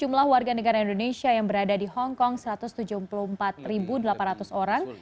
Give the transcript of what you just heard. jumlah warga negara indonesia yang berada di hongkong satu ratus tujuh puluh empat delapan ratus orang